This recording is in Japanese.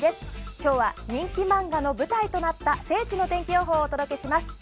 今日は人気漫画の舞台となった聖地の天気予報をお届けします。